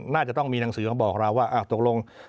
น่าจะต้องมีหนังสือมาบอกเราว่าตกลง